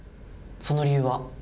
その理由は？